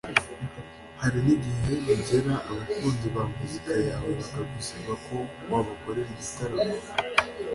Hari n’ igihe bigera abakunzi ba muzika yawe bakagusaba ko wabakorera igitaramo